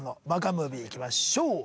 ムービーいきましょう。